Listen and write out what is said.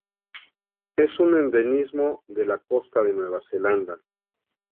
Es un endemismo de la costa de Nueva Zelanda.